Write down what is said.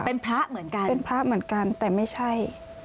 เป็นพระเหมือนกันเป็นพระเหมือนกันแต่ไม่ใช่